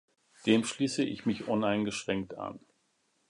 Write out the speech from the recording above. Dem schließe ich mich uneingeschränkt an.